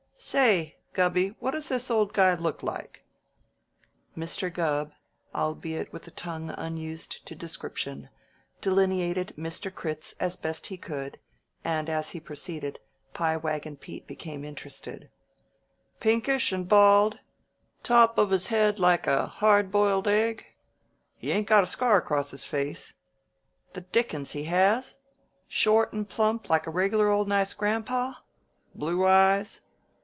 Say, Gubby, what does this old guy look like?" Mr. Gubb, albeit with a tongue unused to description, delineated Mr. Critz as best he could, and as he proceeded, Pie Wagon Pete became interested. "Pinkish, and bald? Top of his head like a hard boiled egg? He ain't got a scar across his face? The dickens he has! Short and plump, and a reg'lar old nice grandpa? Blue eyes?